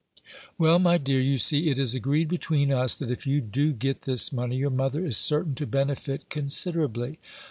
"Well, my dear, you see it is agreed between us that if you do get this money, your mother is certain to benefit considerably.